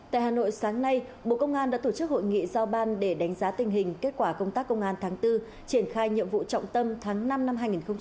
tại hà nội sáng nay bộ công an đã tổ chức hội nghị giao ban để đánh giá tình hình kết quả công tác công an tháng bốn triển khai nhiệm vụ trọng tâm tháng năm năm hai nghìn hai mươi ba